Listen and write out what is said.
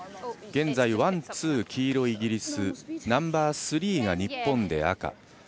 現在ワン、ツーが黄色のイギリスナンバースリーが日本の赤。